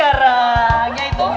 all ladies sekarang